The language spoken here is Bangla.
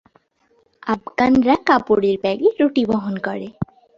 আফগানরা কাপড়ের ব্যাগে রুটি বহন করে।